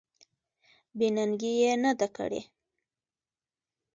بې ننګي یې نه ده کړې.